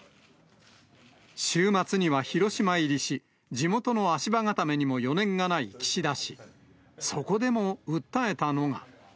週末には広島入りし、地元の足場固めにも余念がない岸田氏、そこでも訴えたのが。